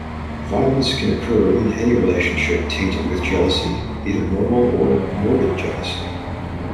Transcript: Violence can occur in any relationship tainted with jealousy, either normal or morbid jealousy.